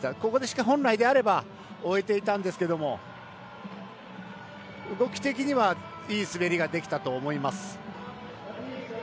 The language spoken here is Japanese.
ここで本来であれば追えていたんですけど動き的にはいい滑りができたと思います。